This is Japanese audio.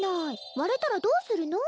割れたらどうするの？